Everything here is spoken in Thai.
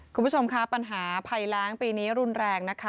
คุณผู้ชมค่ะปัญหาภัยแรงปีนี้รุนแรงนะคะ